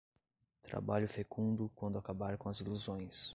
trabalho fecundo quando acabar com as ilusões